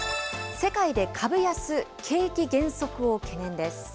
世界で株安、景気減速を懸念です。